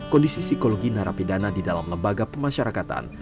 kondisi psikologi narapidana di dalam lembaga pemasyarakatan